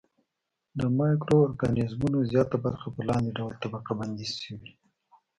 د مایکرو ارګانیزمونو زیاته برخه په لاندې ډول طبقه بندي شوې.